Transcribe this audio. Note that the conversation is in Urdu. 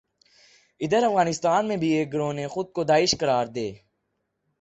ادھر افغانستان میں بھی ایک گروہ نے خود کو داعش قرار دے